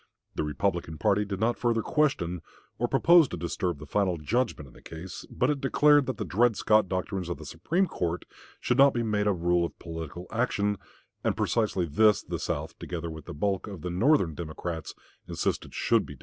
The Republican party did not further question or propose to disturb the final judgment in the case; but it declared that the Dred Scott doctrines of the Supreme Court should not be made a rule of political action, and precisely this the South, together with the bulk of the Northern Democrats, insisted should be done.